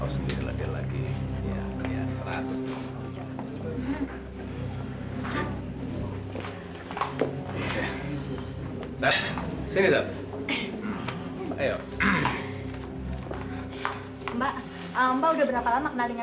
sampai jumpa di video selanjutnya